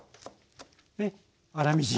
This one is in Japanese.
粗みじん。